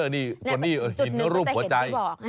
นี่คนนี้หินรูปหัวใจ